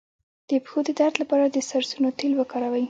د پښو د درد لپاره د سرسونو تېل وکاروئ